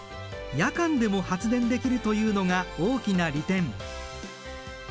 夜間でも発電できるというのが大きな利点。